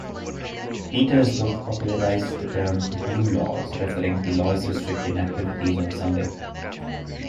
Peters' book popularized the term "blue laws", referring to laws restricting activities on Sunday.